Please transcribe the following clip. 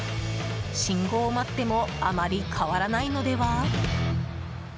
信号を待ってもあまり変わらないのでは？